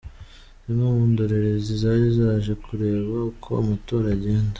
Zimwe mu ndorerezi zari zaje kureba uko amatora agenda.